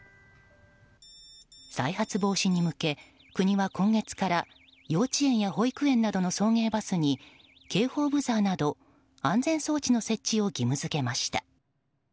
再発防止に向け、国は今月から幼稚園や保育園などの送迎バスに警報ブザーなど安全装置の設置を義務付けました。